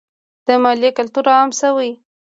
د مالیې کلتور عام شوی؟